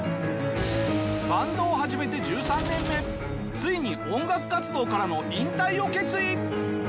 バンドを始めて１３年目ついに音楽活動からの引退を決意！